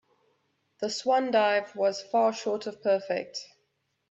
The swan dive was far short of perfect.